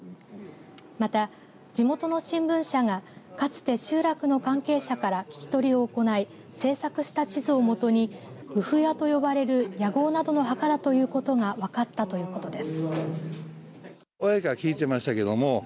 また、地元の新聞社がかつて集落の関係者から聞き取りを行い制作した地図を基に大屋と呼ばれる屋号などの墓だということが分かったということです。